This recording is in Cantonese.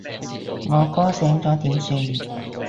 我哥醒咗點算？